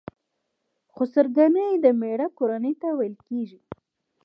خسرګنۍ د مېړه کورنۍ ته ويل کيږي.